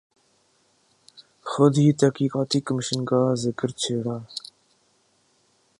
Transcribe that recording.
خود ہی تحقیقاتی کمیشن کا ذکر چھیڑا۔